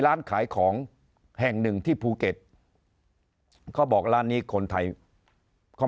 ร้านขายของแห่งหนึ่งที่ภูเก็ตเขาบอกร้านนี้คนไทยเขา